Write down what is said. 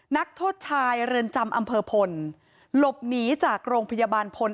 นักโทษชายเรือนจำอำเภอพลหลบหนีจากโรงพยาบาลพล